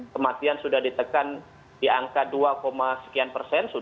kematian sudah ditekan di angka dua sekian persen